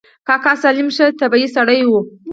کاکا سالم ښه د طبعې سړى و.